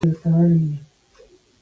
استاد د ښوونې رڼا خپروي.